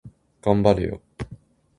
頑張れよ